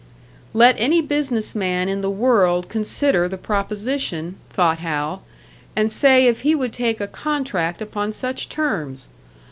Let any business man in the world consider the proposition, thought Hal, and say if he would take a contract upon such terms!